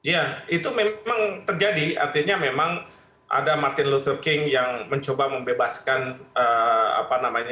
ya itu memang terjadi artinya memang ada martin luther king yang mencoba membebaskan apa namanya